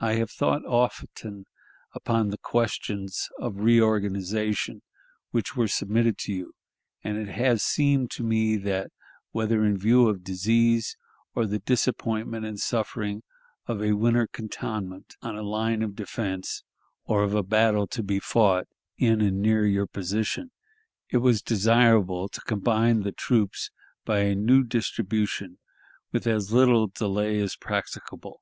I have thought often upon the questions of reorganization which were submitted to you, and it has seemed to me that, whether in view of disease, or the disappointment and suffering of a winter cantonment on a line of defense, or of a battle to be fought in and near your position, it was desirable to combine the troops, by a new distribution, with as little delay as practicable.